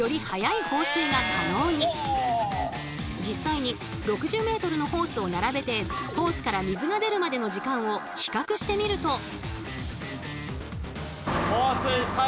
実際に６０ｍのホースを並べてホースから水が出るまでの時間を比較してみると。